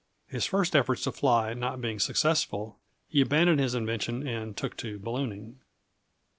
His first efforts to fly not being successful, he abandoned his invention and took to ballooning.